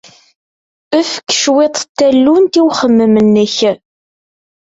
Efk cwiṭ n tallunt i uxemmem-nnek!